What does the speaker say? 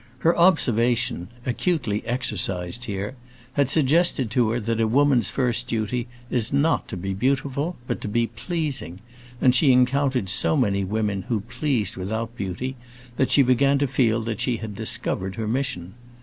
Her observation, acutely exercised here, had suggested to her that a woman's first duty is not to be beautiful, but to be pleasing, and she encountered so many women who pleased without beauty that she began to feel that she had discovered her mission.